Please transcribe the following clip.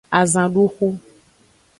Azanduxu.